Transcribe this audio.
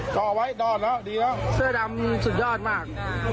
ก็เอาไว้ดอดแล้วเดี๋ยวเสื้อดำสุดยอดมาก